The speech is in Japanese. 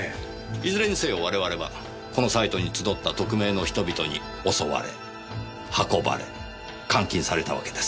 いずれにせよ我々はこのサイトに集った匿名の人々に襲われ運ばれ監禁されたわけです。